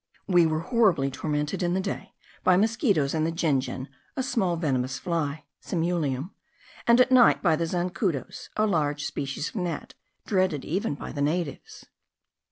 We were horribly tormented in the day by mosquitos and the jejen, a small venomous fly (simulium), and at night by the zancudos, a large species of gnat, dreaded even by the natives.